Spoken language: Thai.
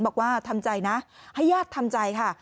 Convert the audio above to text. บอกว่าทำใจนะให้ญาติทำใจค่ะ